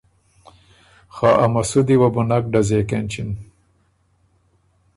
خه ا مسُودی وه بُو نک ډزېک اېنچِن